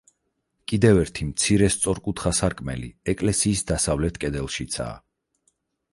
კიდევ ერთი მცირე სწორკუთხა სარკმელი ეკლესიის დასავლეთ კედელშიცაა.